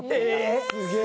すげえ！